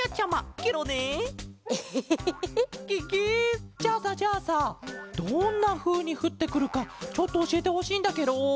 ケケ！じゃあさじゃあさどんなふうにふってくるかちょっとおしえてほしいんだケロ。